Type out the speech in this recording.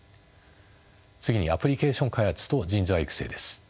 次にアプリケーション開発と人材育成です。